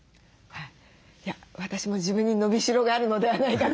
私も自分に伸びしろがあるのではないかと。